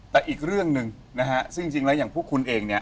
แต่อีกเรื่องหนึ่งนะฮะซึ่งจริงแล้วอย่างพวกคุณเองเนี่ย